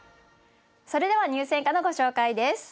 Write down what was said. それでは入選歌のご紹介です。